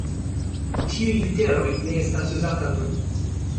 Tiuj literoj ne estas uzata nun.